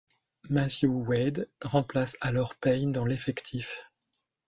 Matthew Wade remplace alors Paine dans l'effectif.